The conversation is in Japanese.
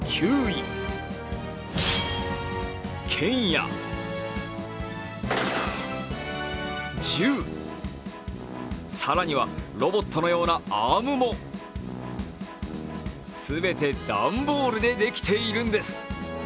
剣や銃、更には、ロボットのようなアームも全てダンボールでできているんです。